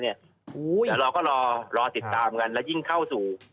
เราก็รอติดตามกันแล้วยิ่งเข้าสู่